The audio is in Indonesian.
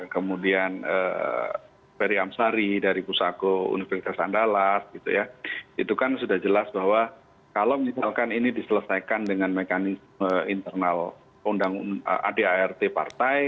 kemudian ferry amsari dari pusako universitas andalas itu kan sudah jelas bahwa kalau misalkan ini diselesaikan dengan mekanisme internal adart partai